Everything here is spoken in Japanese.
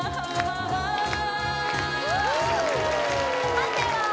判定は？